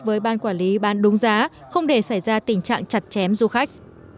với ban quản lý bán đúng giá không để xảy ra tình trạng chặt chém du khách